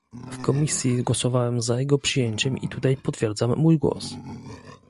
W komisji głosowałem za jego przyjęciem i tutaj potwierdzam mój głos